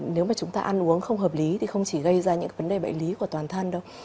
nếu mà chúng ta ăn uống không hợp lý thì không chỉ gây ra những vấn đề bệnh lý của toàn thân đâu